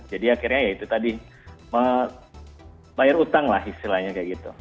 jadi akhirnya ya itu tadi bayar utang lah istilahnya kayak gitu